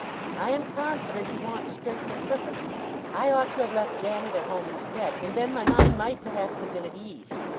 I am confident he wants strength of purpose. I ought to have left Janet at home, instead, and then my mind might perhaps have been at ease.